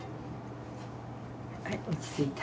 はい落ち着いた。